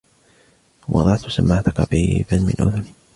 وضعت السماعة قريبا من أذني